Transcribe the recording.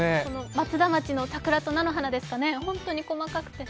松田町の桜と菜の花ですかね、ホントに細かくて。